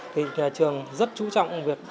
thì nhà trường rất chú trọng việc